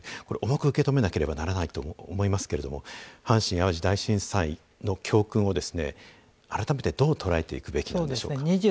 これ重く受け止めなければならないと思いますけれども阪神・淡路大震災の教訓を改めてどう捉えていくべきなんでしょうか。